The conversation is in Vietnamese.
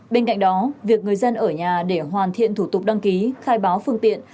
bên cạnh đó việc người dân ở nhà để hoàn thiện thủ tục đăng ký khai báo phương tiện